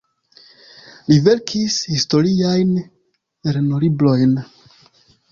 Li verkis historiajn lernolibrojn.